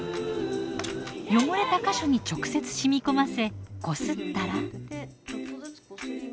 汚れた箇所に直接染み込ませこすったら。